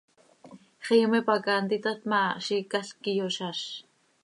Xiime pac haa ntitat ma, ziicalc quih iyozáz.